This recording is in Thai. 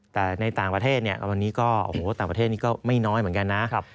แต่ในต่างประเทศต่างประเทศนี้ก็ไม่น้อยเหมือนกันนะ